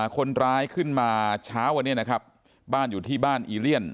คนร้ายขึ้นมาเช้าวันนี้นะครับบ้านอยู่ที่บ้านอีเลียน